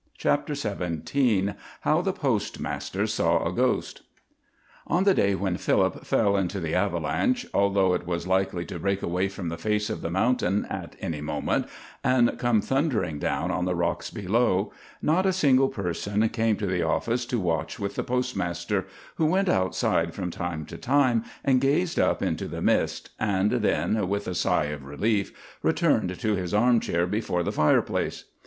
CHAPTER XVII HOW THE POSTMASTER SAW A GHOST On the day when Philip fell into the avalanche, although it was likely to break away from the face of the mountain at any moment and come thundering down on the rocks below, not a single person came to the office to watch with the postmaster, who went outside from time to time and gazed up into the mist, and then, with a sigh of relief, returned to his arm chair before the fireplace.